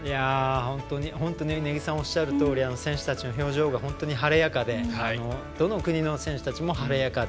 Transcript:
本当に根木さんおっしゃるとおり選手たちの表情が本当に晴れやかでどの国の選手たちも晴れやかで。